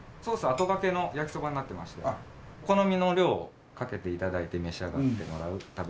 あとがけの焼きそばになっていましてお好みの量をかけて頂いて召し上がってもらう食べ方になってまして。